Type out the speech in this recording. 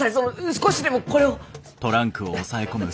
少しでもこれを。